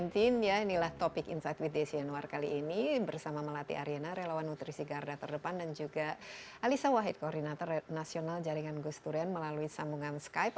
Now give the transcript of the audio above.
dan inilah topik insight with desi anwar kali ini bersama melati aryena relawan nutrisi garda terdepan dan juga alisa wahid koordinator nasional jaringan gusturian melalui sambungan skype